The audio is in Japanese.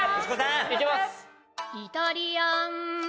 いけます。